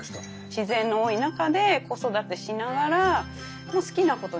自然の多い中で子育てしながら好きなことできてるので。